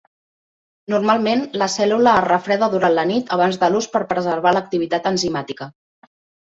Normalment, la cèl·lula es refreda durant la nit abans de l'ús per preservar l'activitat enzimàtica.